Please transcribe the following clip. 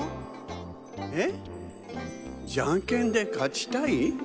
えっじゃんけんでかちたい？